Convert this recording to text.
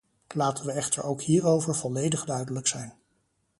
Laten we echter ook hierover volledig duidelijk zijn.